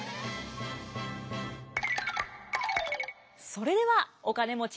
それではお金持ち